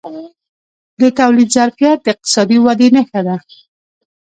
د تولید ظرفیت د اقتصادي ودې نښه ده.